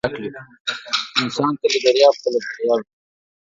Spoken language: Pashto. انسان کله درياب ، کله کرياب وى.